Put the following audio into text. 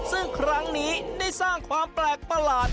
ซึ่งครั้งนี้ได้สร้างความแปลกประหลาด